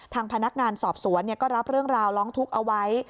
ทางพนักงานสอบสวนก็รับเรื่องราวร้องทุกข์เอาไว้